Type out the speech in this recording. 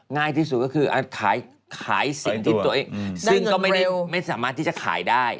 ง่ายที่สุดก็คือขายสิ่งที่ตัวเองซึ่งก็ไม่สามารถที่จะขายได้